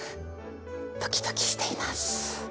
ドキドキしています。